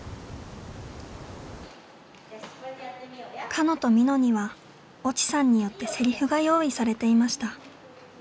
かのとみのには越智さんによってセリフが用意されていました。